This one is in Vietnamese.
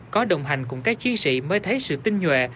có đồng hành cùng các chiến sĩ mới thấy sự tinh nhuệ